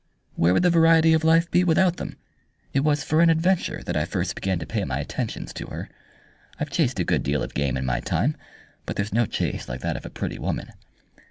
"Where would the variety of life be without them? It was for an adventure that I first began to pay my attentions to her. I've chased a good deal of game in my time, but there's no chase like that of a pretty woman.